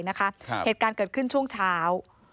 เหตุการณ์เกิดขึ้นช่วงเช้า